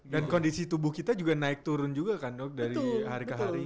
dan kondisi tubuh kita juga naik turun juga kan dok dari hari ke hari